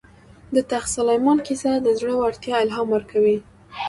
د تخت سلیمان کیسه د زړه ورتیا الهام ورکوي.